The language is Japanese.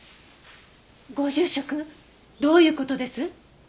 ご住職どういう事です？